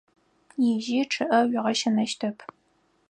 Ижьы чъыӏэ уигъэщынэщтэп.